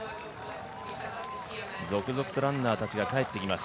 続々とランナーたちが帰ってきます。